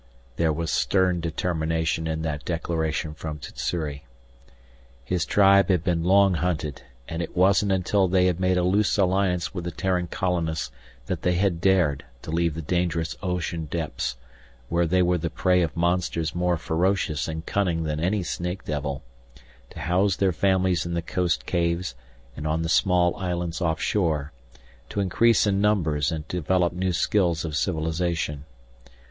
There was stern determination in that declaration from Sssuri. His tribe had been long hunted, and it wasn't until they had made a loose alliance with the Terran colonists that they had dared to leave the dangerous ocean depths, where they were the prey of monsters more ferocious and cunning than any snake devil, to house their families in the coast caves and on the small islands off shore, to increase in numbers and develop new skills of civilization.